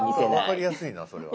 分かりやすいなそれは。